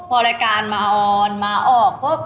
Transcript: พอรายการมาออนมาออกปุ๊บ